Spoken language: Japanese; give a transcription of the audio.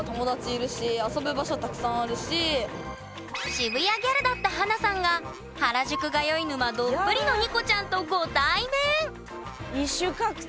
渋谷ギャルだった華さんが原宿通い沼どっぷりのＮＩＣＯちゃんとご対面！